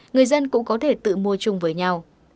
người dân cũng có thể tự mua chung với nhau